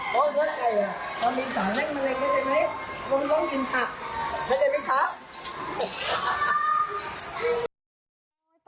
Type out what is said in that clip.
เพราะเนื้อไก่มันมีสารให้มะเร็งรู้ไหม